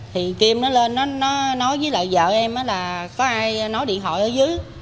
thì kim nó lên nó nói với vợ em là có ai nói điện thoại ở dưới